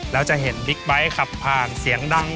แล้วจะเห็นบิ๊กไบท์ขับผ่านเสียงดัง